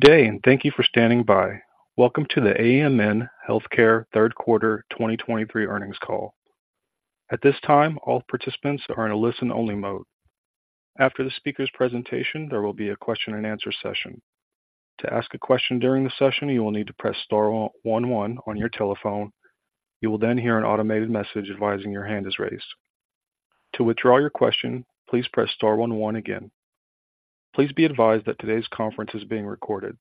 Good day, and thank you for standing by. Welcome to the AMN Healthcare third quarter 2023 earnings call. At this time, all participants are in a listen-only mode. After the speaker's presentation, there will be a question-and-answer session. To ask a question during the session, you will need to press star one one on your telephone. You will then hear an automated message advising your hand is raised. To withdraw your question, please press star one one again. Please be advised that today's conference is being recorded.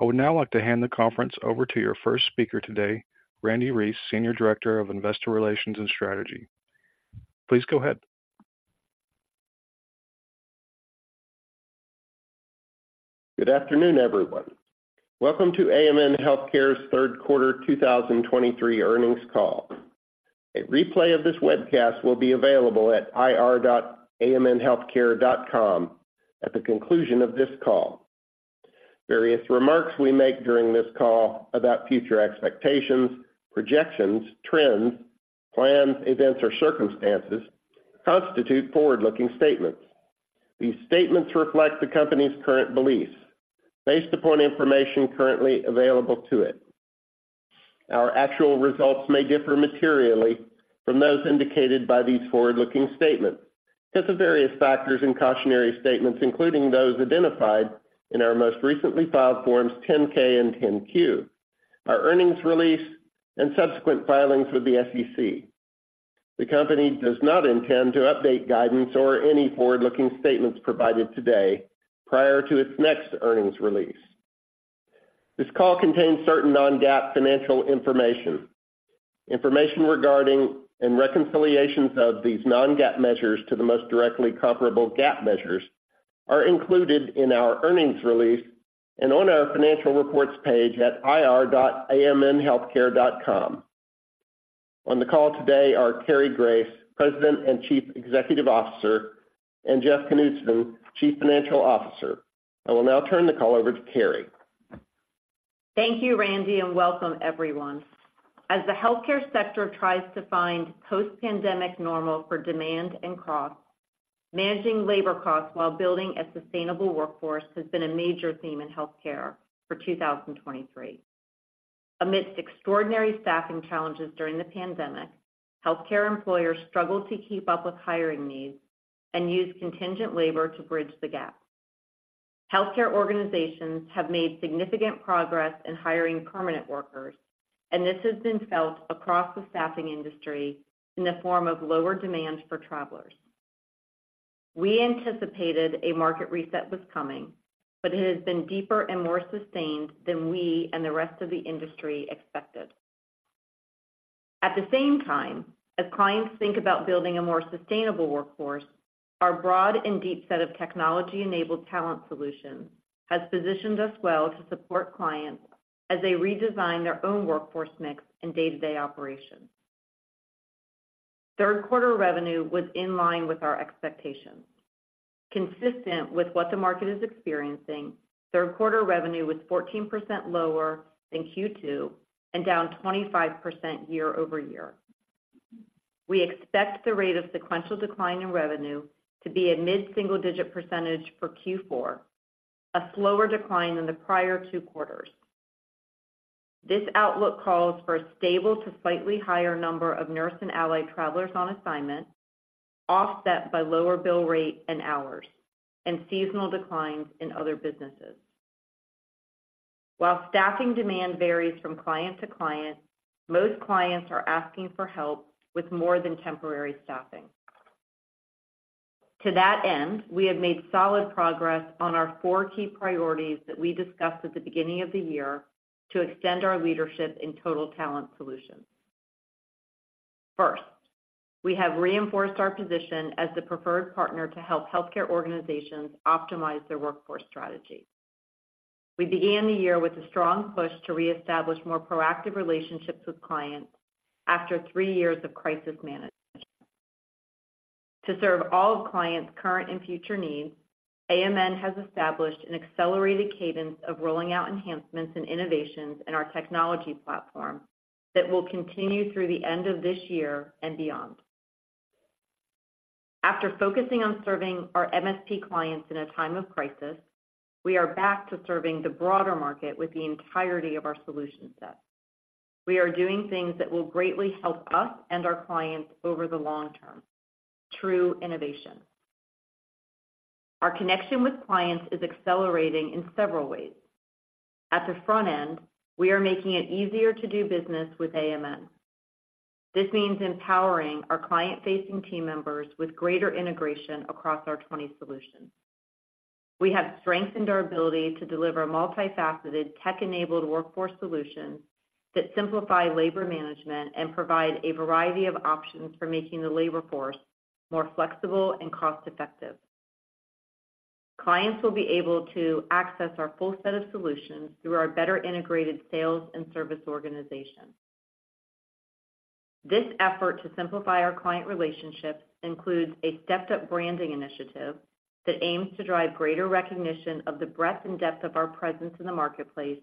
I would now like to hand the conference over to your first speaker today, Randle Reece, Senior Director of Investor Relations and Strategy. Please go ahead. Good afternoon, everyone. Welcome to AMN Healthcare's third quarter 2023 earnings call. A replay of this webcast will be available at ir.amnhealthcare.com at the conclusion of this call. Various remarks we make during this call about future expectations, projections, trends, plans, events, or circumstances constitute forward-looking statements. These statements reflect the company's current beliefs based upon information currently available to it. Our actual results may differ materially from those indicated by these forward-looking statements because of various factors and cautionary statements, including those identified in our most recently filed forms 10-K and 10-Q, our earnings release, and subsequent filings with the SEC. The company does not intend to update guidance or any forward-looking statements provided today prior to its next earnings release. This call contains certain non-GAAP financial information. Information regarding and reconciliations of these non-GAAP measures to the most directly comparable GAAP measures are included in our earnings release and on our financial reports page at ir.amnhealthcare.com. On the call today are Cary Grace, President and Chief Executive Officer, and Jeff Knudson, Chief Financial Officer. I will now turn the call over to Cary. Thank you, Randy, and welcome everyone. As the healthcare sector tries to find post-pandemic normal for demand and cost, managing labor costs while building a sustainable workforce has been a major theme in healthcare for 2023. Amidst extraordinary staffing challenges during the pandemic, healthcare employers struggled to keep up with hiring needs and used contingent labor to bridge the gap. Healthcare organizations have made significant progress in hiring permanent workers, and this has been felt across the staffing industry in the form of lower demand for travelers. We anticipated a market reset was coming, but it has been deeper and more sustained than we and the rest of the industry expected. At the same time, as clients think about building a more sustainable workforce, our broad and deep set of technology-enabled talent solutions has positioned us well to support clients as they redesign their own workforce mix and day-to-day operations. Third quarter revenue was in line with our expectations. Consistent with what the market is experiencing, third quarter revenue was 14% lower than Q2 and down 25% year-over-year. We expect the rate of sequential decline in revenue to be a mid-single-digit percentage for Q4, a slower decline than the prior two quarters. This outlook calls for a stable to slightly higher number of nurse and allied travelers on assignment, offset by lower bill rate and hours and seasonal declines in other businesses. While staffing demand varies from client to client, most clients are asking for help with more than temporary staffing. To that end, we have made solid progress on our four key priorities that we discussed at the beginning of the year to extend our leadership in total talent solutions. First, we have reinforced our position as the preferred partner to help healthcare organizations optimize their workforce strategy. We began the year with a strong push to reestablish more proactive relationships with clients after three years of crisis management. To serve all of clients' current and future needs, AMN has established an accelerated cadence of rolling out enhancements and innovations in our technology platform that will continue through the end of this year and beyond. After focusing on serving our MSP clients in a time of crisis, we are back to serving the broader market with the entirety of our solution set. We are doing things that will greatly help us and our clients over the long term: true innovation. Our connection with clients is accelerating in several ways. At the front end, we are making it easier to do business with AMN. This means empowering our client-facing team members with greater integration across our 20 solutions. We have strengthened our ability to deliver multifaceted, tech-enabled workforce solutions that simplify labor management and provide a variety of options for making the labor force more flexible and cost-effective. Clients will be able to access our full set of solutions through our better integrated sales and service organization. This effort to simplify our client relationships includes a stepped-up branding initiative that aims to drive greater recognition of the breadth and depth of our presence in the marketplace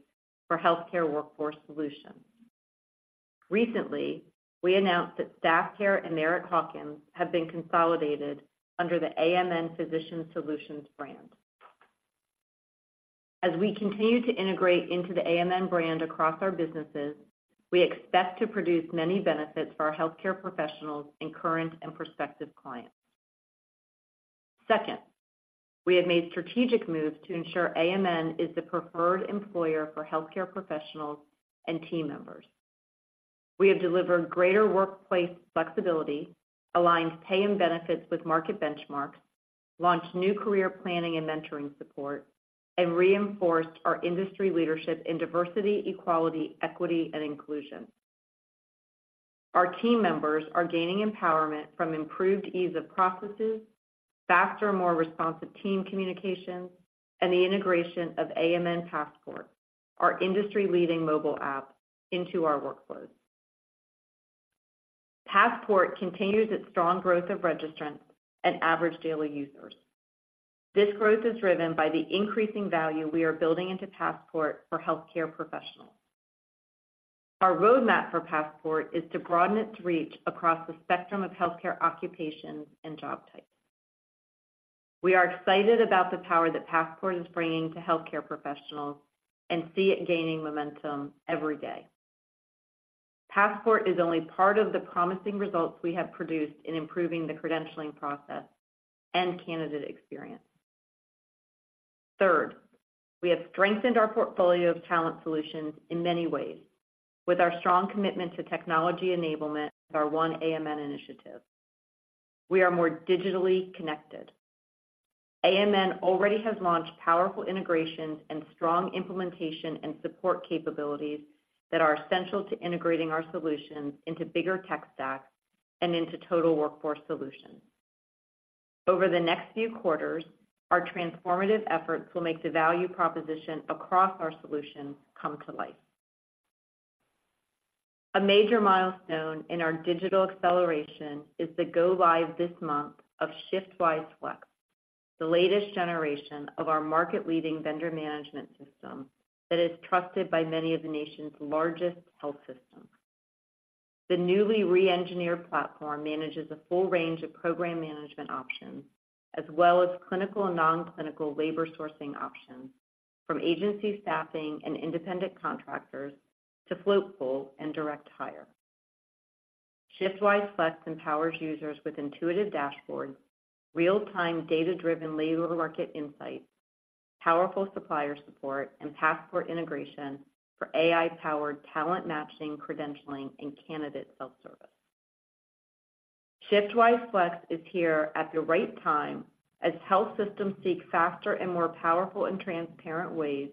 for healthcare workforce solutions. Recently, we announced that Staff Care and Merritt Hawkins have been consolidated under the AMN Physician Solutions brand. As we continue to integrate into the AMN brand across our businesses, we expect to produce many benefits for our healthcare professionals and current and prospective clients. Second, we have made strategic moves to ensure AMN is the preferred employer for healthcare professionals and team members. We have delivered greater workplace flexibility, aligned pay and benefits with market benchmarks, launched new career planning and mentoring support, and reinforced our industry leadership in diversity, equality, equity, and inclusion. Our team members are gaining empowerment from improved ease of processes, faster, more responsive team communications, and the integration of AMN Passport, our industry-leading mobile app, into our workflows. Passport continues its strong growth of registrants and average daily users. This growth is driven by the increasing value we are building into Passport for healthcare professionals. Our roadmap for Passport is to broaden its reach across the spectrum of healthcare occupations and job types. We are excited about the power that Passport is bringing to healthcare professionals and see it gaining momentum every day. Passport is only part of the promising results we have produced in improving the credentialing process and candidate experience. Third, we have strengthened our portfolio of talent solutions in many ways with our strong commitment to technology enablement and our One AMN initiative. We are more digitally connected. AMN already has launched powerful integrations and strong implementation and support capabilities that are essential to integrating our solutions into bigger tech stacks and into total workforce solutions. Over the next few quarters, our transformative efforts will make the value proposition across our solutions come to life. A major milestone in our digital acceleration is the go-live this month of ShiftWise Flex, the latest generation of our market-leading vendor management system that is trusted by many of the nation's largest health systems. The newly re-engineered platform manages a full range of program management options, as well as clinical and non-clinical labor sourcing options, from agency staffing and independent contractors to float pool and direct hire. ShiftWise Flex empowers users with intuitive dashboards, real-time, data-driven labor market insights, powerful supplier support, and Passport integration for AI-powered talent matching, credentialing, and candidate self-service. ShiftWise Flex is here at the right time as health systems seek faster and more powerful and transparent ways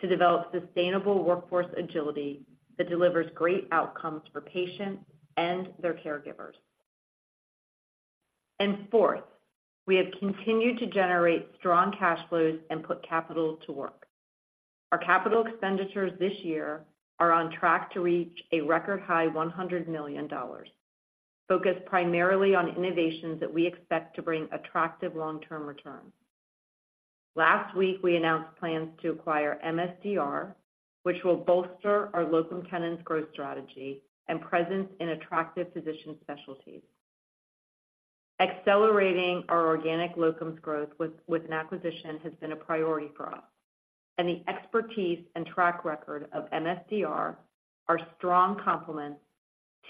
to develop sustainable workforce agility that delivers great outcomes for patients and their caregivers. And fourth, we have continued to generate strong cash flows and put capital to work. Our capital expenditures this year are on track to reach a record high $100 million, focused primarily on innovations that we expect to bring attractive long-term returns. Last week, we announced plans to acquire MSDR, which will bolster our locum tenens growth strategy and presence in attractive physician specialties. Accelerating our organic locums growth with an acquisition has been a priority for us, and the expertise and track record of MSDR are strong complements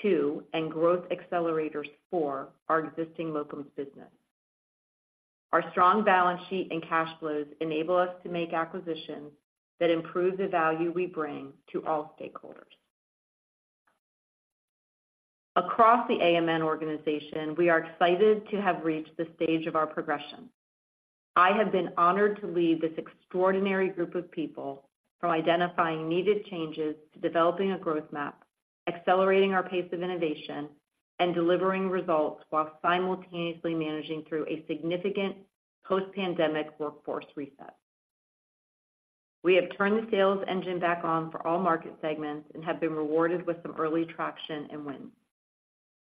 to, and growth accelerators for our existing locums business. Our strong balance sheet and cash flows enable us to make acquisitions that improve the value we bring to all stakeholders. Across the AMN organization, we are excited to have reached this stage of our progression. I have been honored to lead this extraordinary group of people from identifying needed changes to developing a growth map, accelerating our pace of innovation, and delivering results while simultaneously managing through a significant post-pandemic workforce reset. We have turned the sales engine back on for all market segments and have been rewarded with some early traction and wins.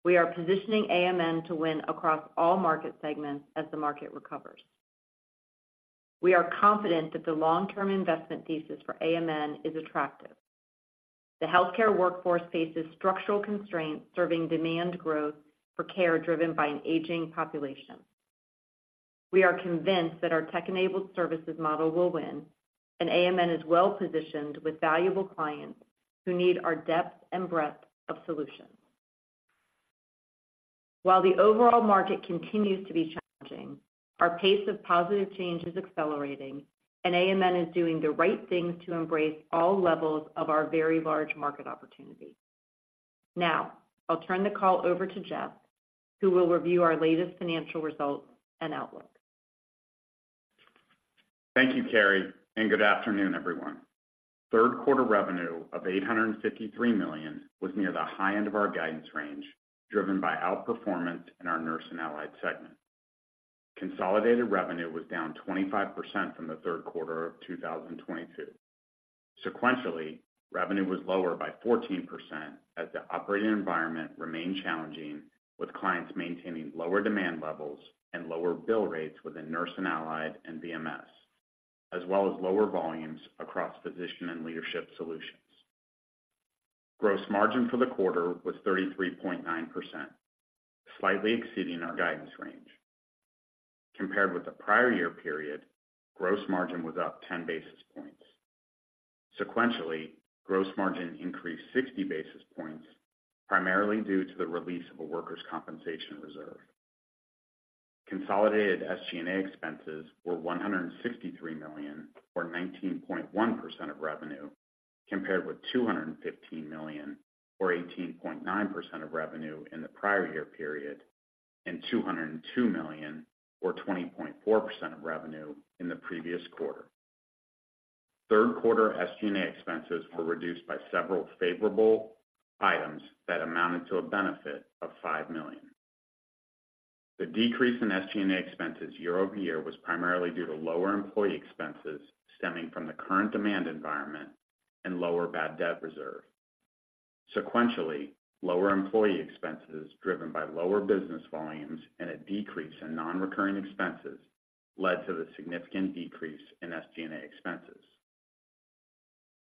We are positioning AMN to win across all market segments as the market recovers. We are confident that the long-term investment thesis for AMN is attractive. The healthcare workforce faces structural constraints, serving demand growth for care driven by an aging population. We are convinced that our tech-enabled services model will win, and AMN is well positioned with valuable clients who need our depth and breadth of solutions. While the overall market continues to be challenging, our pace of positive change is accelerating, and AMN is doing the right things to embrace all levels of our very large market opportunity. Now, I'll turn the call over to Jeff, who will review our latest financial results and outlook. Thank you, Cary, and good afternoon, everyone. Third quarter revenue of $853 million was near the high end of our guidance range, driven by outperformance in our Nurse and Allied segment. Consolidated revenue was down 25% from the third quarter of 2022. Sequentially, revenue was lower by 14% as the operating environment remained challenging, with clients maintaining lower demand levels and lower bill rates within Nurse and Allied and VMS, as well as lower volumes across Physician and Leadership Solutions. Gross margin for the quarter was 33.9%, slightly exceeding our guidance range. Compared with the prior year period, gross margin was up 10 basis points. Sequentially, gross margin increased 60 basis points, primarily due to the release of a workers' compensation reserve. Consolidated SG&A expenses were $163 million, or 19.1% of revenue, compared with $215 million, or 18.9% of revenue in the prior year period, and $202 million, or 20.4% of revenue in the previous quarter. Third quarter SG&A expenses were reduced by several favorable items that amounted to a benefit of $5 million. The decrease in SG&A expenses year-over-year was primarily due to lower employee expenses stemming from the current demand environment and lower bad debt reserve. Sequentially, lower employee expenses, driven by lower business volumes and a decrease in non-recurring expenses, led to the significant decrease in SG&A expenses.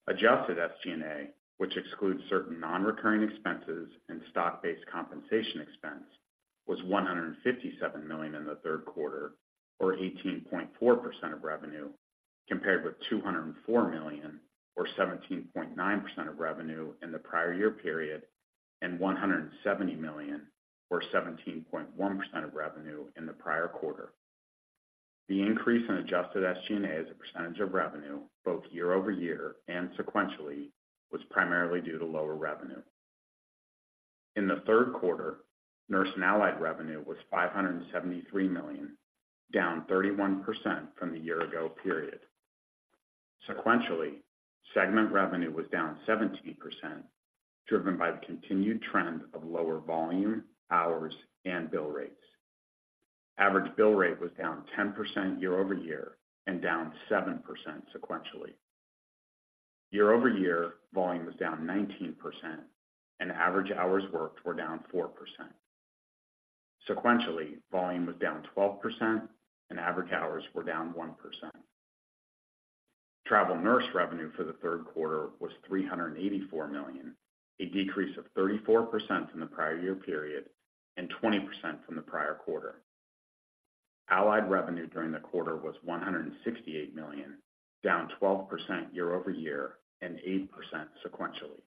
Adjusted SG&A, which excludes certain non-recurring expenses and stock-based compensation expense, was $157 million in the third quarter or 18.4% of revenue, compared with $204 million or 17.9% of revenue in the prior year period, and $170 million or 17.1% of revenue in the prior quarter. The increase in Adjusted SG&A as a percentage of revenue, both year-over-year and sequentially, was primarily due to lower revenue. In the third quarter, Nurse and Allied revenue was $573 million, down 31% from the year ago period. Sequentially, segment revenue was down 17%, driven by the continued trend of lower volume, hours, and bill rates. Average bill rate was down 10% year-over-year and down 7% sequentially. Year-over-year, volume was down 19% and average hours worked were down 4%. Sequentially, volume was down 12% and average hours were down 1%. Travel Nurse revenue for the third quarter was $384 million, a decrease of 34% from the prior year period and 20% from the prior quarter. Allied revenue during the quarter was $168 million, down 12% year-over-year and 8% sequentially.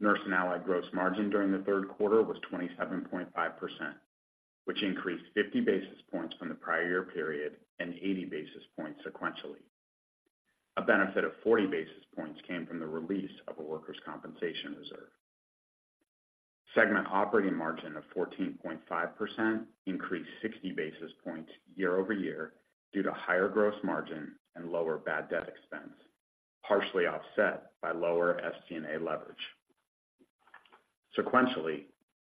Nurse and Allied gross margin during the third quarter was 27.5%, which increased 50 basis points from the prior year period and 80 basis points sequentially. A benefit of 40 basis points came from the release of a workers' compensation reserve. Segment operating margin of 14.5% increased 60 basis points year-over-year due to higher gross margin and lower bad debt expense, partially offset by lower SG&A leverage. Sequentially,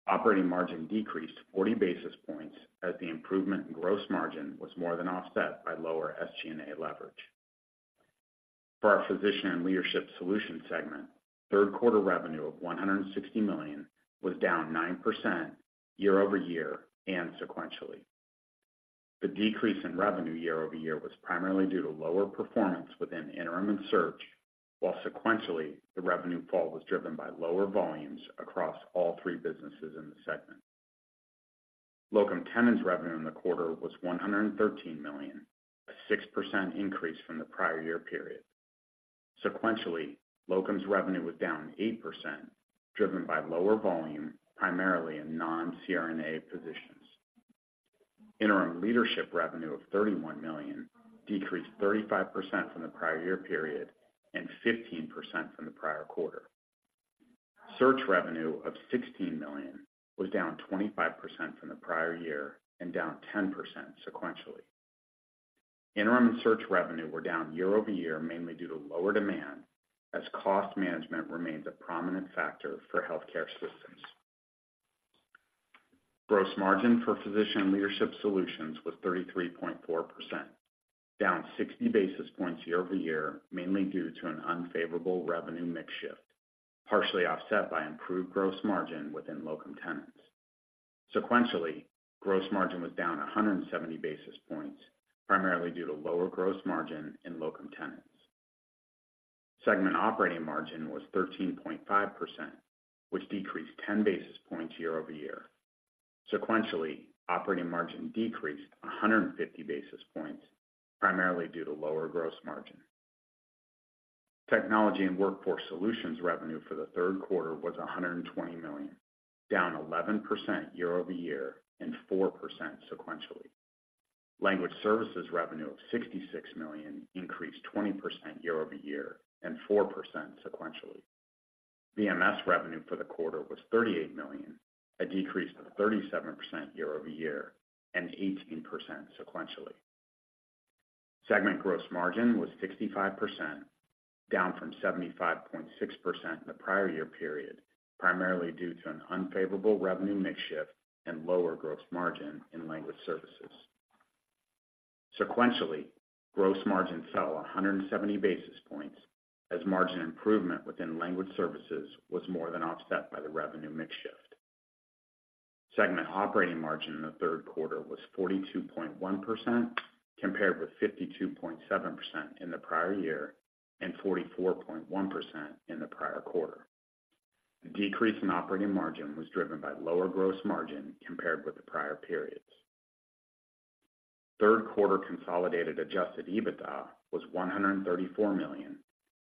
operating margin decreased 40 basis points as the improvement in gross margin was more than offset by lower SG&A leverage. For our Physician and Leadership Solutions segment, third quarter revenue of $160 million was down 9% year-over-year and sequentially. The decrease in revenue year-over-year was primarily due to lower performance within Interim and Search, while sequentially, the revenue fall was driven by lower volumes across all three businesses in the segment. Locum Tenens revenue in the quarter was $113 million, a 6% increase from the prior year period. Sequentially, Locums revenue was down 8%, driven by lower volume, primarily in non-CRNA positions. Interim Leadership revenue of $31 million decreased 35% from the prior year period and 15% from the prior quarter. Search revenue of $16 million was down 25% from the prior year and down 10% sequentially. Interim and Search revenue were down year-over-year, mainly due to lower demand as cost management remains a prominent factor for healthcare systems. Gross margin for Physician and Leadership Solutions was 33.4%, down 60 basis points year-over-year, mainly due to an unfavorable revenue mix shift, partially offset by improved gross margin within Locum Tenens. Sequentially, gross margin was down 170 basis points, primarily due to lower gross margin in Locum Tenens. Segment operating margin was 13.5%, which decreased 10 basis points year-over-year. Sequentially, operating margin decreased 150 basis points, primarily due to lower gross margin. Technology and Workforce Solutions revenue for the third quarter was $120 million, down 11% year-over-year and 4% sequentially. Language Services revenue of $66 million increased 20% year-over-year and 4% sequentially. VMS revenue for the quarter was $38 million, a decrease of 37% year-over-year and 18% sequentially. Segment gross margin was 65%, down from 75.6% in the prior year period, primarily due to an unfavorable revenue mix shift and lower gross margin in Language Services. Sequentially, gross margin fell 170 basis points as margin improvement within Language Services was more than offset by the revenue mix shift. Segment operating margin in the third quarter was 42.1%, compared with 52.7% in the prior year and 44.1% in the prior quarter. The decrease in operating margin was driven by lower gross margin compared with the prior periods. Third quarter consolidated Adjusted EBITDA was $134 million,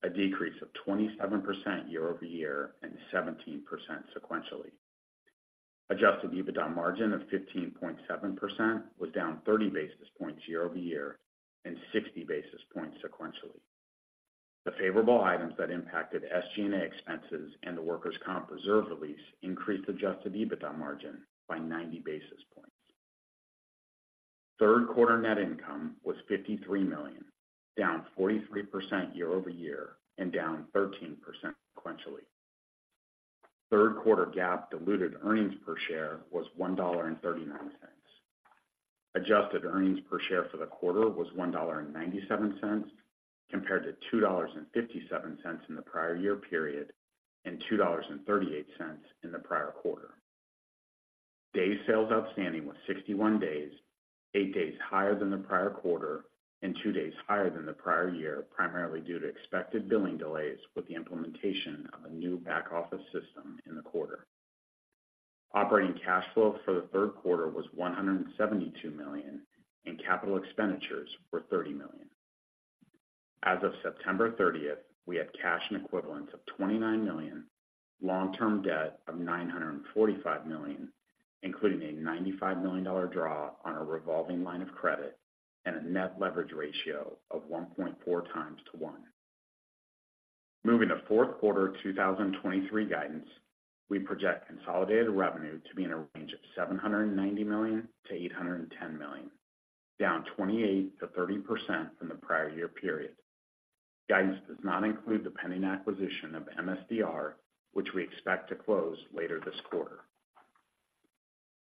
a decrease of 27% year-over-year and 17% sequentially. Adjusted EBITDA margin of 15.7% was down 30 basis points year-over-year and 60 basis points sequentially. The favorable items that impacted SG&A expenses and the workers' comp reserve release increased Adjusted EBITDA margin by 90 basis points. Third quarter net income was $53 million, down 43% year-over-year and down 13% sequentially. Third quarter GAAP diluted earnings per share was $1.39. Adjusted earnings per share for the quarter was $1.97, compared to $2.57 in the prior year period, and $2.38 in the prior quarter. Days sales outstanding was 61 days, 8 days higher than the prior quarter and 2 days higher than the prior year, primarily due to expected billing delays with the implementation of a new back-office system in the quarter. Operating cash flow for the third quarter was $172 million, and capital expenditures were $30 million. As of September 30th, we had cash and equivalents of $29 million, long-term debt of $945 million, including a $95 million dollar draw on a revolving line of credit and a net leverage ratio of 1.4x to 1. Moving to fourth quarter 2023 guidance, we project consolidated revenue to be in a range of $790 million-$810 million, down 28%-30% from the prior year period. Guidance does not include the pending acquisition of MSDR, which we expect to close later this quarter.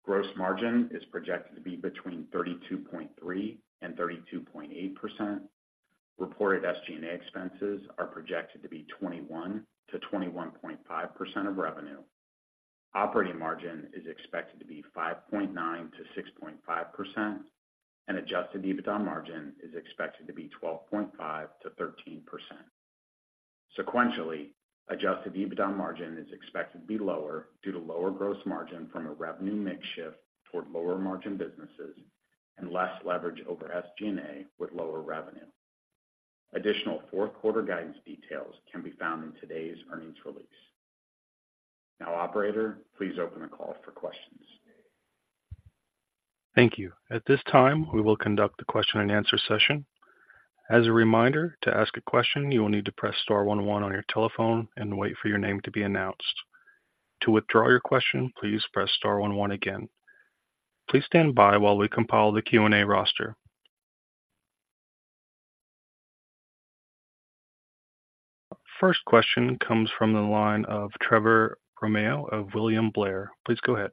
Gross margin is projected to be between 32.3% and 32.8%. Reported SG&A expenses are projected to be 21%-21.5% of revenue. Operating margin is expected to be 5.9%-6.5%, and Adjusted EBITDA margin is expected to be 12.5%-13%. Sequentially, Adjusted EBITDA margin is expected to be lower due to lower gross margin from a revenue mix shift toward lower margin businesses and less leverage over SG&A with lower revenue. Additional fourth quarter guidance details can be found in today's earnings release. Now, operator, please open the call for questions. Thank you. At this time, we will conduct the question-and-answer session. As a reminder, to ask a question, you will need to press star one one on your telephone and wait for your name to be announced. To withdraw your question, please press star one one again. Please stand by while we compile the Q&A roster. First question comes from the line of Trevor Romeo of William Blair. Please go ahead.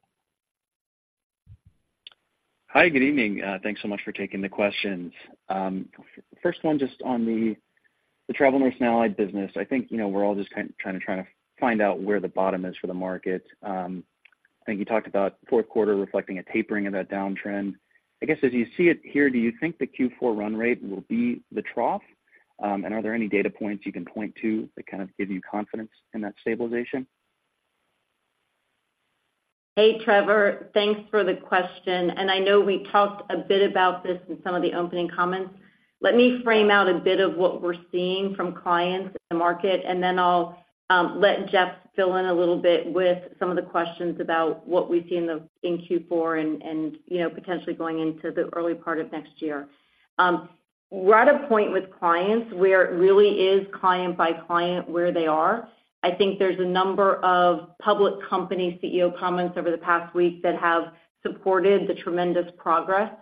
Hi, good evening. Thanks so much for taking the questions. First one, just on the Travel Nurse and Allied business. I think, you know, we're all just kinda trying to find out where the bottom is for the market. I think you talked about fourth quarter reflecting a tapering of that downtrend. I guess, as you see it here, do you think the Q4 run rate will be the trough? And are there any data points you can point to that kind of give you confidence in that stabilization? Hey, Trevor, thanks for the question, and I know we talked a bit about this in some of the opening comments. Let me frame out a bit of what we're seeing from clients in the market, and then I'll let Jeff fill in a little bit with some of the questions about what we see in Q4 and, you know, potentially going into the early part of next year. We're at a point with clients where it really is client by client, where they are. I think there's a number of public company CEO comments over the past week that have supported the tremendous progress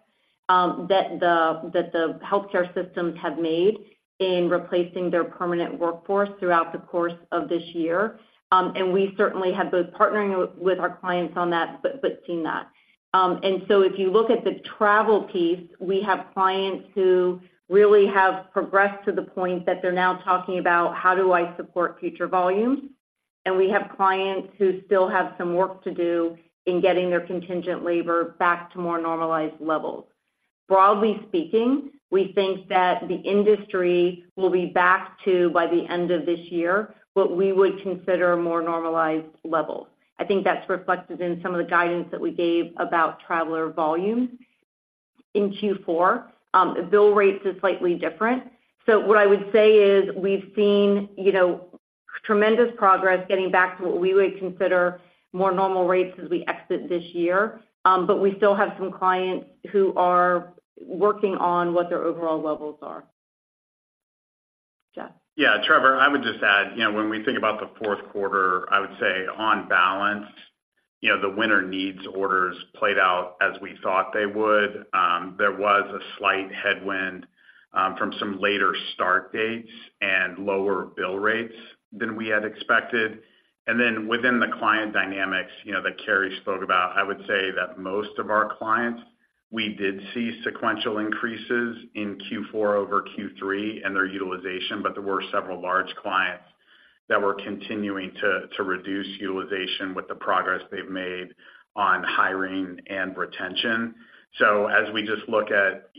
that the healthcare systems have made in replacing their permanent workforce throughout the course of this year. And we certainly have both partnering with our clients on that, but seen that. And so if you look at the travel piece, we have clients who really have progressed to the point that they're now talking about: How do I support future volumes? And we have clients who still have some work to do in getting their contingent labor back to more normalized levels. Broadly speaking, we think that the industry will be back to, by the end of this year, what we would consider more normalized levels. I think that's reflected in some of the guidance that we gave about traveler volumes in Q4. Bill rates are slightly different. So what I would say is we've seen, you know, tremendous progress getting back to what we would consider more normal rates as we exit this year, but we still have some clients who are working on what their overall levels are. Jeff? Yeah, Trevor, I would just add, you know, when we think about the fourth quarter, I would say on balance, you know, the winter needs orders played out as we thought they would. There was a slight headwind from some later start dates and lower bill rates than we had expected. And then within the client dynamics, you know, that Cary spoke about, I would say that most of our clients, we did see sequential increases in Q4 over Q3 and their utilization, but there were several large clients that we're continuing to reduce utilization with the progress they've made on hiring and retention. So as we just look at,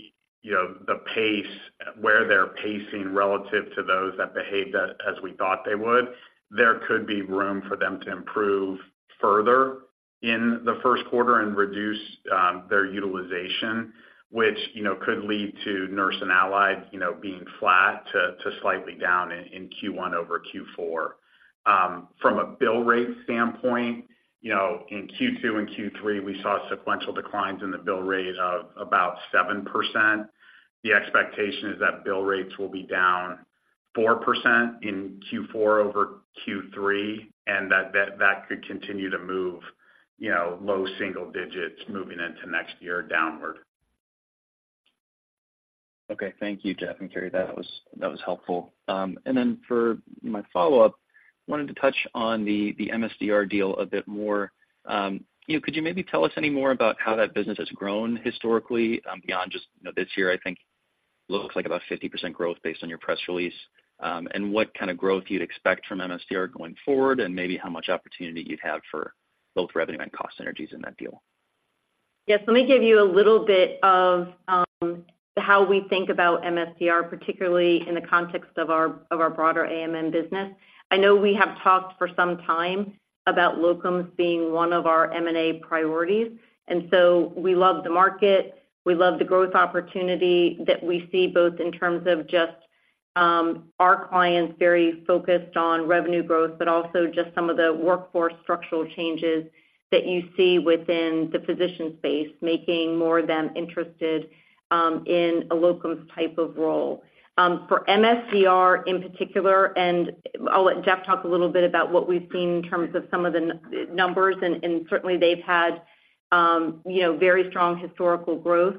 you know, the pace, where they're pacing relative to those that behaved as we thought they would, there could be room for them to improve further in the first quarter and reduce their utilization, which, you know, could lead to nurse and allied, you know, being flat to slightly down in Q1 over Q4. From a bill rate standpoint, you know, in Q2 and Q3, we saw sequential declines in the bill rate of about 7%. The expectation is that bill rates will be down 4% in Q4 over Q3, and that could continue to move, you know, low single digits moving into next year downward. Okay, thank you, Jeff and Cary. That was, that was helpful. And then for my follow-up, wanted to touch on the MSDR deal a bit more. You know, could you maybe tell us any more about how that business has grown historically, beyond just, you know, this year, I think, looks like about 50% growth based on your press release, and what kind of growth you'd expect from MSDR going forward, and maybe how much opportunity you'd have for both revenue and cost synergies in that deal? Yes, let me give you a little bit of how we think about MSDR, particularly in the context of our, of our broader AMN business. I know we have talked for some time about locums being one of our M&A priorities, and so we love the market, we love the growth opportunity that we see, both in terms of just our clients very focused on revenue growth, but also just some of the workforce structural changes that you see within the physician space, making more of them interested in a locums type of role. For MSDR, in particular, and I'll let Jeff talk a little bit about what we've seen in terms of some of the numbers, and, and certainly they've had, you know, very strong historical growth.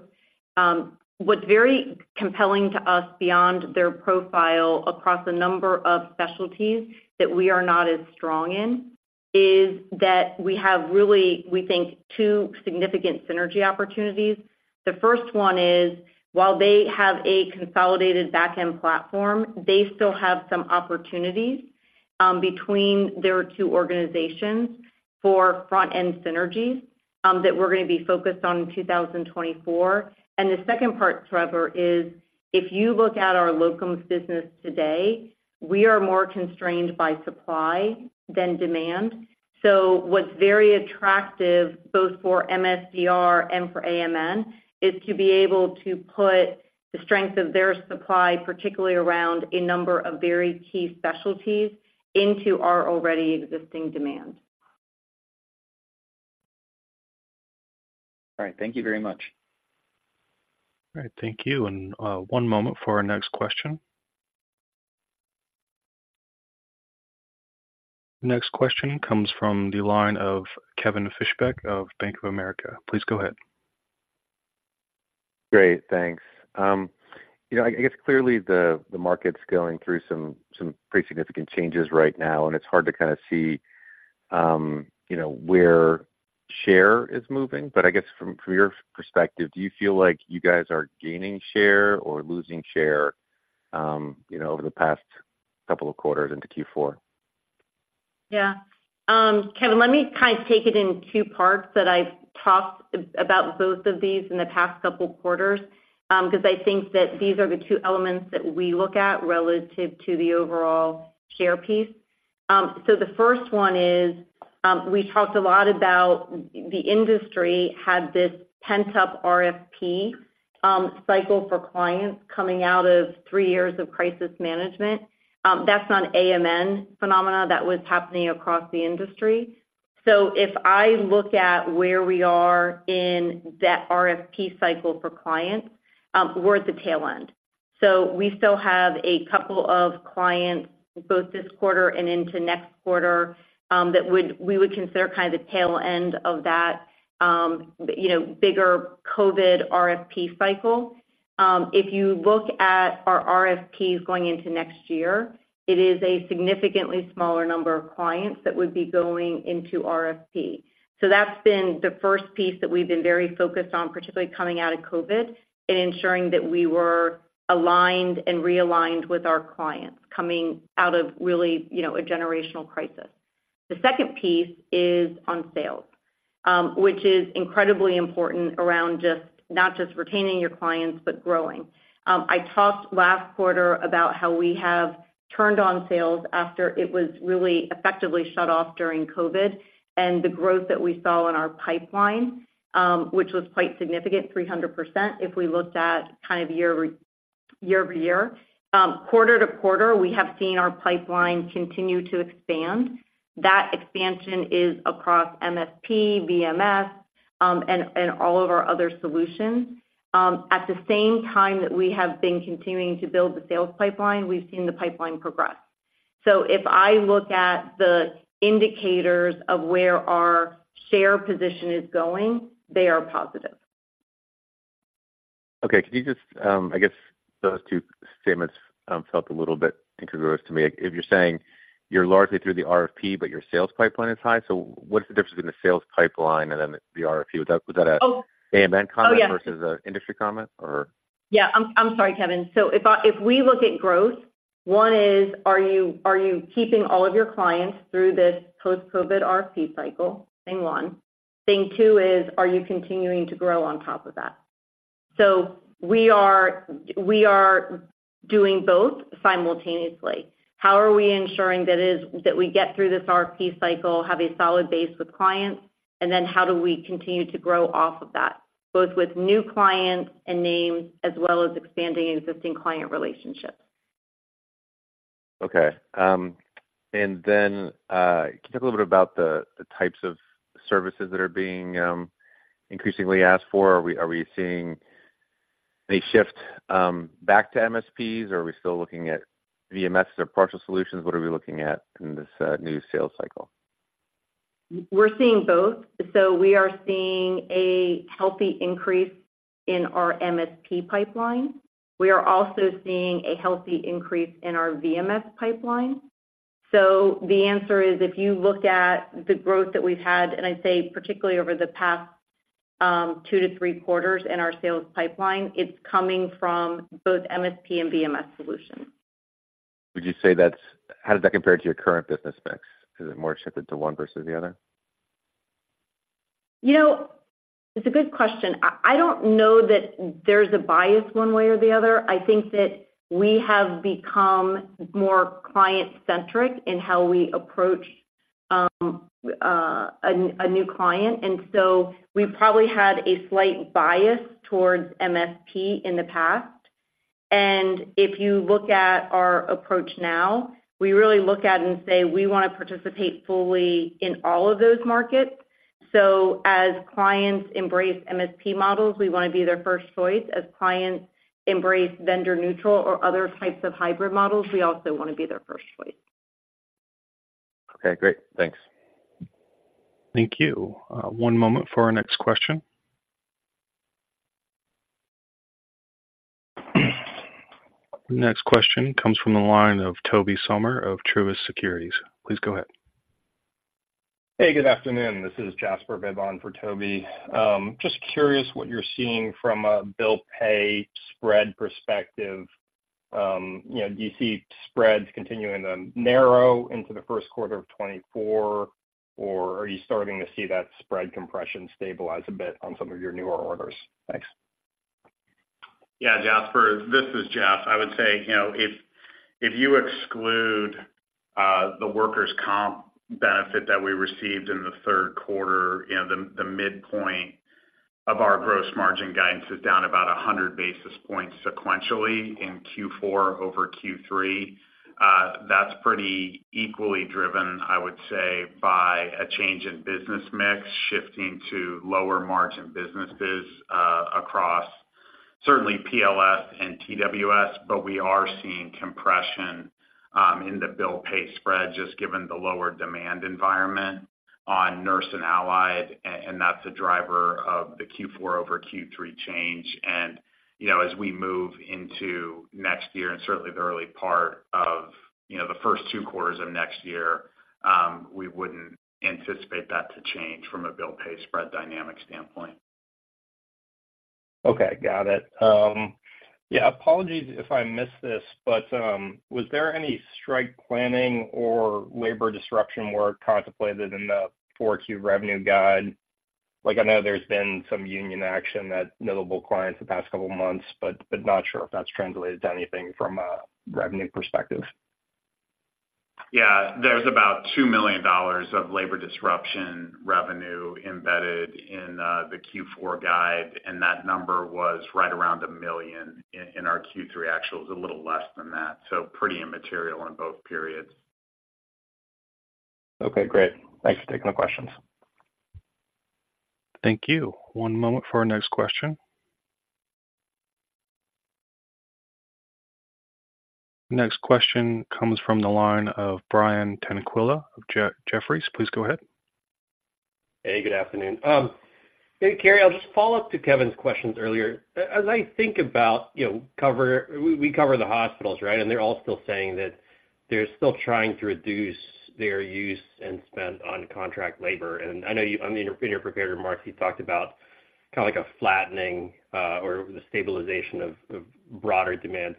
What's very compelling to us beyond their profile across a number of specialties that we are not as strong in, is that we have really, we think, two significant synergy opportunities. The first one is, while they have a consolidated back-end platform, they still have some opportunities, between their two organizations for front-end synergies, that we're gonna be focused on in 2024. And the second part, Trevor, is if you look at our locums business today, we are more constrained by supply than demand. So what's very attractive, both for MSDR and for AMN, is to be able to put the strength of their supply, particularly around a number of very key specialties, into our already existing demand. All right. Thank you very much. All right. Thank you. And, one moment for our next question. Next question comes from the line of Kevin Fischbeck of Bank of America. Please go ahead. Great, thanks. You know, I guess clearly the market's going through some pretty significant changes right now, and it's hard to kind of see, you know, where share is moving. But I guess from your perspective, do you feel like you guys are gaining share or losing share, you know, over the past couple of quarters into Q4? Yeah. Kevin, let me kind of take it in two parts, that I've talked about both of these in the past couple of quarters, 'cause I think that these are the two elements that we look at relative to the overall share piece. So the first one is, we talked a lot about the industry had this pent-up RFP cycle for clients coming out of three years of crisis management. That's not AMN phenomena. That was happening across the industry. So if I look at where we are in that RFP cycle for clients, we're at the tail end. So we still have a couple of clients, both this quarter and into next quarter, that we would consider kind of the tail end of that, you know, bigger COVID RFP cycle. If you look at our RFPs going into next year, it is a significantly smaller number of clients that would be going into RFP. So that's been the first piece that we've been very focused on, particularly coming out of COVID, and ensuring that we were aligned and realigned with our clients, coming out of really, you know, a generational crisis. The second piece is on sales, which is incredibly important around just not just retaining your clients, but growing. I talked last quarter about how we have turned on sales after it was really effectively shut off during COVID, and the growth that we saw in our pipeline, which was quite significant, 300%, if we looked at kind of year-over-year. Quarter-to-quarter, we have seen our pipeline continue to expand. That expansion is across MSP, VMS, and all of our other solutions. At the same time that we have been continuing to build the sales pipeline, we've seen the pipeline progress. So if I look at the indicators of where our share position is going, they are positive. Okay. Can you just, I guess those two statements felt a little bit incongruous to me. If you're saying you're largely through the RFP, but your sales pipeline is high, so what is the difference between the sales pipeline and then the RFP? Was that, was that a AMN comment. Oh, yeah. Versus an industry comment, or? Yeah, I'm sorry, Kevin. So if we look at growth, one is, are you keeping all of your clients through this post-COVID RFP cycle? Thing one. Thing two is, are you continuing to grow on top of that? So we are doing both simultaneously. How are we ensuring that we get through this RFP cycle, have a solid base with clients, and then how do we continue to grow off of that, both with new clients and names, as well as expanding existing client relationships? Okay. And then, can you talk a little bit about the types of services that are being increasingly asked for? Are we seeing any shift back to MSPs, or are we still looking at VMS or partial solutions? What are we looking at in this new sales cycle? We're seeing both. So we are seeing a healthy increase in our MSP pipeline. We are also seeing a healthy increase in our VMS pipeline. So the answer is, if you look at the growth that we've had, and I'd say, particularly over the past, 2-3 quarters in our sales pipeline, it's coming from both MSP and VMS solutions. How does that compare to your current business mix? Is it more shifted to one versus the other? You know, it's a good question. I don't know that there's a bias one way or the other. I think that we have become more client-centric in how we approach a new client, and so we probably had a slight bias towards MSP in the past. And if you look at our approach now, we really look at and say: We wanna participate fully in all of those markets. So as clients embrace MSP models, we wanna be their first choice. As clients embrace vendor neutral or other types of hybrid models, we also wanna be their first choice. Okay, great. Thanks. Thank you. One moment for our next question. Next question comes from the line of Tobey Sommer of Truist Securities. Please go ahead. Hey, good afternoon. This is Jasper Bibb for Tobey. Just curious what you're seeing from a bill pay spread perspective. You know, do you see spreads continuing to narrow into the first quarter of 2024, or are you starting to see that spread compression stabilize a bit on some of your newer orders? Thanks. Yeah, Jasper, this is Jeff. I would say, you know, if you exclude the workers' comp benefit that we received in the third quarter, you know, the midpoint of our gross margin guidance is down about 100 basis points sequentially in Q4 over Q3. That's pretty equally driven, I would say, by a change in business mix, shifting to lower margin businesses, across certainly PLS and TWS, but we are seeing compression in the bill pay spread, just given the lower demand environment on Nurse and Allied, and that's a driver of the Q4 over Q3 change. You know, as we move into next year and certainly the early part of, you know, the first two quarters of next year, we wouldn't anticipate that to change from a bill pay spread dynamic standpoint. Okay, got it. Yeah, apologies if I missed this, but was there any strike planning or labor disruption work contemplated in the 4Q revenue guide? Like, I know there's been some union action at notable clients the past couple of months, but not sure if that's translated to anything from a revenue perspective. Yeah, there's about $2 million of labor disruption revenue embedded in the Q4 guide, and that number was right around $1 million in our Q3 actuals, a little less than that, so pretty immaterial in both periods. Okay, great. Thanks for taking the questions. Thank you. One moment for our next question. Next question comes from the line of Brian Tanquilut, Jefferies. Please go ahead. Hey, good afternoon. Hey, Cary, I'll just follow up to Kevin's questions earlier. As I think about, you know, we cover the hospitals, right? And they're all still saying that they're still trying to reduce their use and spend on contract labor. And I know you, in your prepared remarks, you talked about kinda like a flattening or the stabilization of broader demand.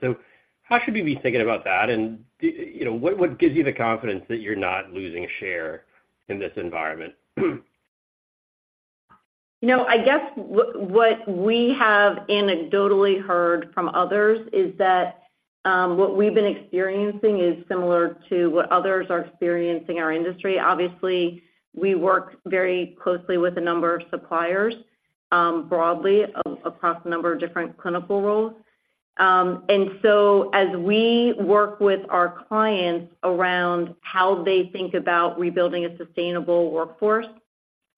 So how should we be thinking about that? And you know, what gives you the confidence that you're not losing share in this environment? You know, I guess what we have anecdotally heard from others is that, what we've been experiencing is similar to what others are experiencing in our industry. Obviously, we work very closely with a number of suppliers, broadly across a number of different clinical roles. And so as we work with our clients around how they think about rebuilding a sustainable workforce,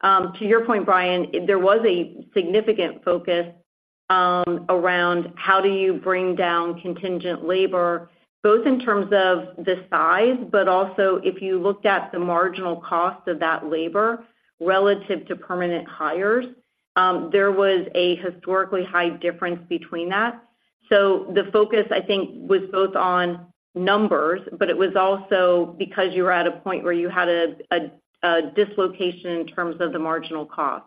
to your point, Brian, there was a significant focus, around how do you bring down contingent labor, both in terms of the size, but also if you looked at the marginal cost of that labor relative to permanent hires, there was a historically high difference between that. So the focus, I think, was both on numbers, but it was also because you were at a point where you had a dislocation in terms of the marginal cost.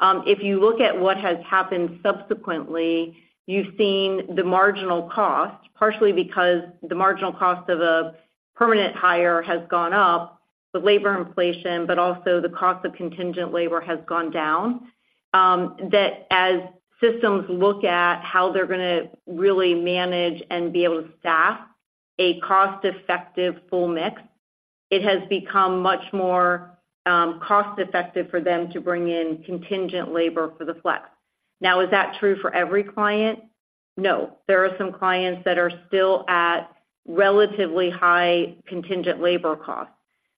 If you look at what has happened subsequently, you've seen the marginal cost, partially because the marginal cost of a permanent hire has gone up, the labor inflation, but also the cost of contingent labor has gone down. That, as systems look at how they're gonna really manage and be able to staff a cost-effective full mix, it has become much more cost-effective for them to bring in contingent labor for the flex. Now, is that true for every client? No, there are some clients that are still at relatively high contingent labor costs.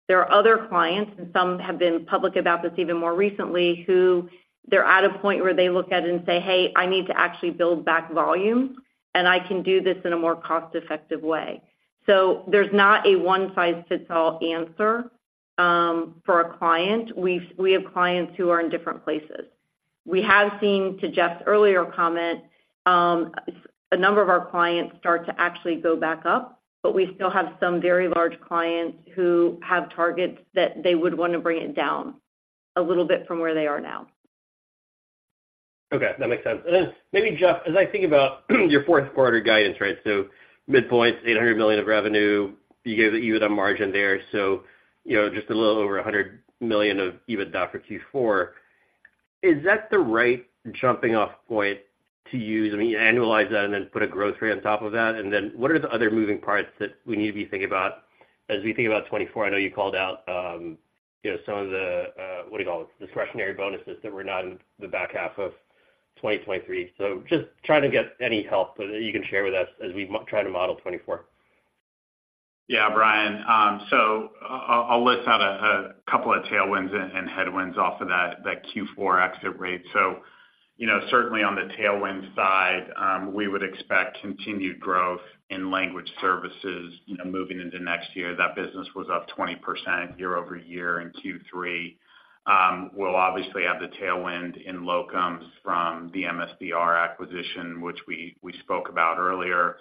There are other clients, and some have been public about this even more recently, who they're at a point where they look at it and say, "Hey, I need to actually build back volume, and I can do this in a more cost-effective way." So there's not a one-size-fits-all answer for a client. We have clients who are in different places. We have seen, to Jeff's earlier comment, a number of our clients start to actually go back up, but we still have some very large clients who have targets that they would want to bring it down a little bit from where they are now. Okay, that makes sense. And then maybe, Jeff, as I think about your fourth quarter guidance, right? So midpoint, $800 million of revenue, you gave the EBITDA margin there. So, you know, just a little over $100 million of EBITDA for Q4. Is that the right jumping-off point to use? I mean, you annualize that and then put a growth rate on top of that, and then what are the other moving parts that we need to be thinking about as we think about 2024? I know you called out, you know, some of the, what do you call it, discretionary bonuses that were not in the back half of 2023. So just trying to get any help that you can share with us as we try to model 2024. Yeah, Brian. So I'll list out a couple of tailwinds and headwinds off of that Q4 exit rate. So, you know, certainly on the tailwind side, we would expect continued growth in language services, you know, moving into next year. That business was up 20% year-over-year in Q3. We'll obviously have the tailwind in locums from the MSDR acquisition, which we spoke about earlier.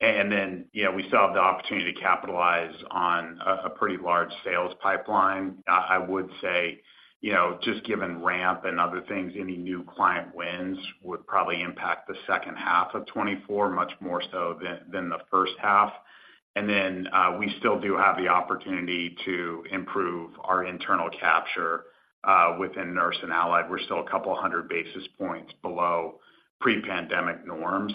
And then, you know, we still have the opportunity to capitalize on a pretty large sales pipeline. I would say, you know, just given ramp and other things, any new client wins would probably impact the second half of 2024, much more so than the first half. And then, we still do have the opportunity to improve our internal capture within Nurse and Allied. We're still a couple of hundred basis points below pre-pandemic norms,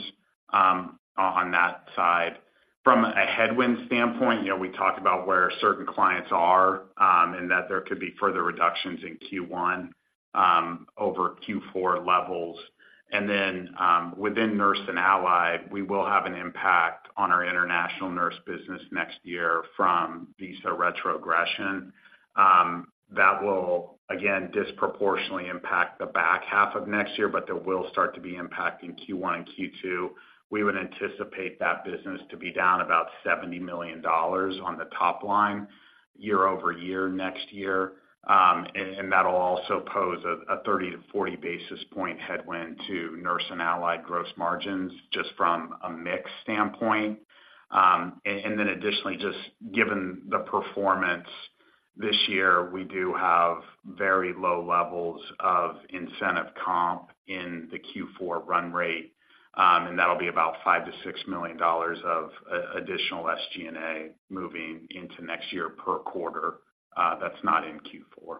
on that side. From a headwind standpoint, you know, we talked about where certain clients are, and that there could be further reductions in Q1, over Q4 levels. And then, within Nurse and Allied, we will have an impact on our international nurse business next year from visa retrogression. That will, again, disproportionately impact the back half of next year, but there will start to be impact in Q1 and Q2. We would anticipate that business to be down about $70 million on the top line year-over-year next year. And that'll also pose a 30-40 basis point headwind to Nurse and Allied gross margins, just from a mix standpoint. And then additionally, just given the performance this year, we do have very low levels of incentive comp in the Q4 run rate, and that'll be about $5-$6 million of additional SG&A moving into next year per quarter, that's not in Q4.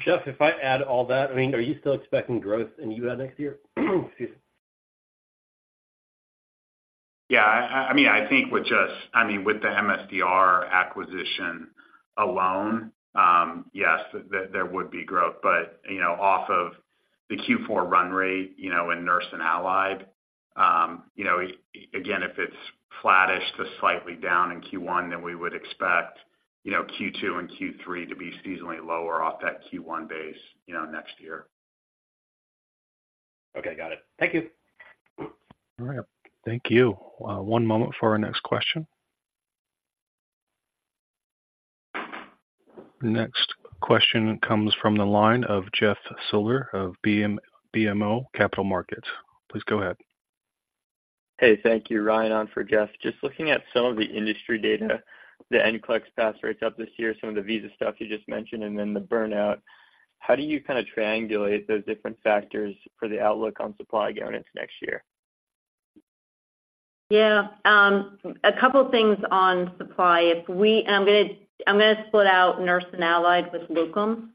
Jeff, if I add all that, I mean, are you still expecting growth in EBITDA next year? Excuse me. Yeah, I mean, I think with just—I mean, with the MSDR acquisition alone, yes, there would be growth. But, you know, off of the Q4 run rate, you know, in Nurse and Allied, you know, again, if it's flattish to slightly down in Q1, then we would expect, you know, Q2 and Q3 to be seasonally lower off that Q1 base, you know, next year. Okay, got it. Thank you. All right. Thank you. One moment for our next question. The next question comes from the line of Jeff Silber of BMO Capital Markets. Please go ahead. Hey, thank you, Ryan on for Jeff. Just looking at some of the industry data, the NCLEX pass rates up this year, some of the visa stuff you just mentioned, and then the burnout. How do you kind of triangulate those different factors for the outlook on supply guarantees next year? Yeah, a couple things on supply. And I'm gonna split out Nurse and Allied with Locum.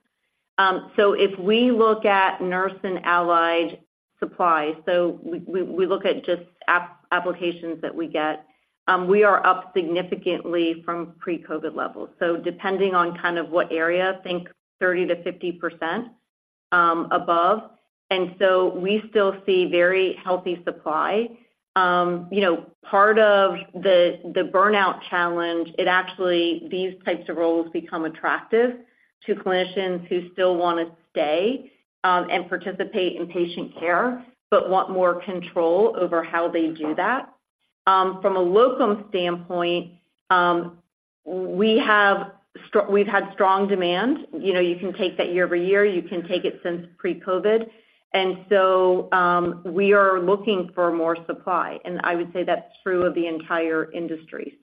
So if we look at Nurse and Allied supply, so we look at just applications that we get, we are up significantly from pre-COVID levels. So depending on kind of what area, think 30%-50% above. And so we still see very healthy supply. You know, part of the burnout challenge, it actually, these types of roles become attractive to clinicians who still wanna stay and participate in patient care, but want more control over how they do that. From a locum standpoint, we've had strong demand. You know, you can take that year-over-year, you can take it since pre-COVID. We are looking for more supply, and I would say that's true of the entire industry.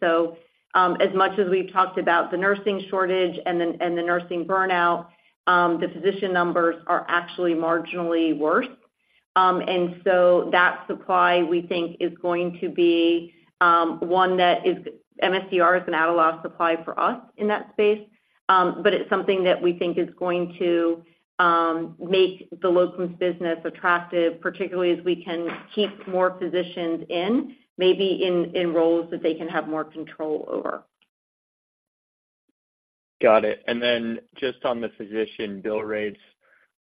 As much as we've talked about the nursing shortage and the nursing burnout, the physician numbers are actually marginally worse. And so that supply, we think, is going to be one that is MSDR is an outlier supply for us in that space. But it's something that we think is going to make the locums business attractive, particularly as we can keep more physicians in, maybe in roles that they can have more control over. Got it. And then just on the physician bill rates,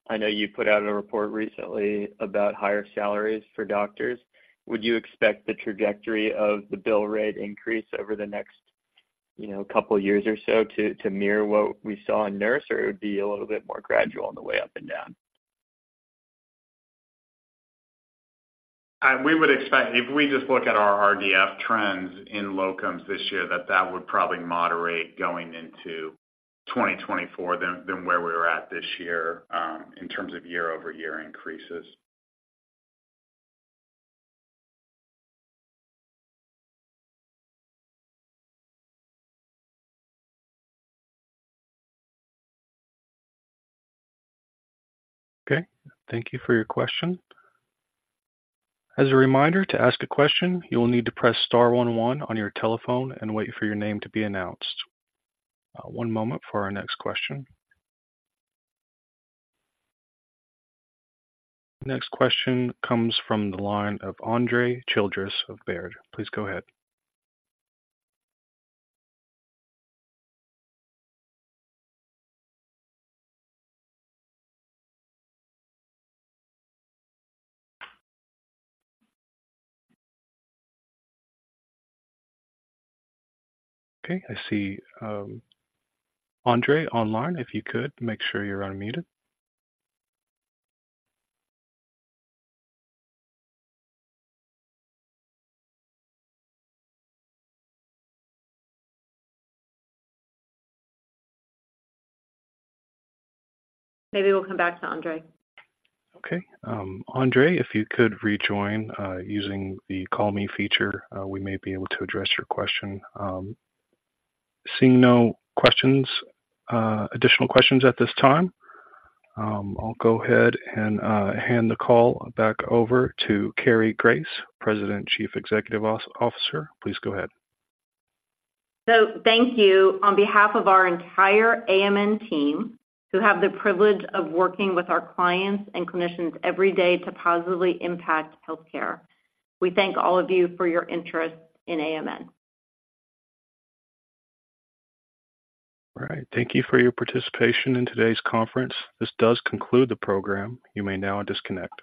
I know you put out a report recently about higher salaries for doctors. Would you expect the trajectory of the bill rate increase over the next, you know, couple of years or so to mirror what we saw in nurse, or it would be a little bit more gradual on the way up and down? We would expect if we just look at our RPD trends in locums this year, that that would probably moderate going into 2024 than where we were at this year, in terms of year-over-year increases. Okay, thank you for your question. As a reminder, to ask a question, you will need to press star one one on your telephone and wait for your name to be announced. One moment for our next question. Next question comes from the line of Andre Childress of Baird. Please go ahead. Okay, I see, Andre online. If you could, make sure you're unmuted. Maybe we'll come back to Andre. Okay, Andre, if you could rejoin using the Call me feature, we may be able to address your question. Seeing no additional questions at this time, I'll go ahead and hand the call back over to Cary Grace, President and Chief Executive Officer. Please go ahead. Thank you on behalf of our entire AMN team, who have the privilege of working with our clients and clinicians every day to positively impact healthcare. We thank all of you for your interest in AMN. All right. Thank you for your participation in today's conference. This does conclude the program. You may now disconnect.